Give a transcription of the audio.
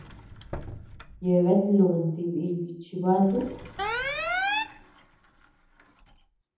Yeabean lunti dibi chibatu.